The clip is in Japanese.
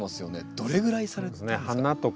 どれぐらいされたんですか？